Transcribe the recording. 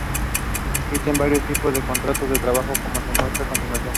Existen varios tipos de contratos de trabajo como se muestran a continuación.